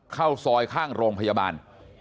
เข้าซอยข้างโรงพยาบาล